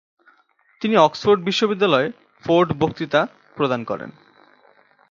তিনি অক্সফোর্ড বিশ্ববিদ্যালয়ে ফোর্ড বক্তৃতা প্রদান করেন।